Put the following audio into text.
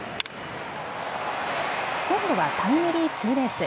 今度はタイムリーツーベース。